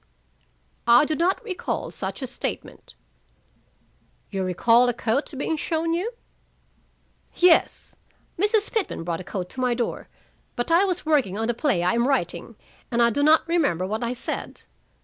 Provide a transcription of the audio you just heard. "I do not recall such a statement." "You recall a coat being shown you?" "Yes. Mrs. Pitman brought a coat to my door, but I was working on a play I am writing, and I do not remember what I said.